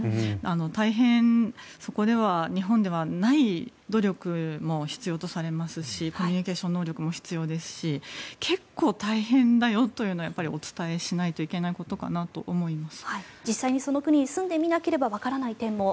大変そこでは日本ではない努力も必要とされますしコミュニケーション能力も必要ですし結構大変だよというのはお伝えしないといけないことかなと思います。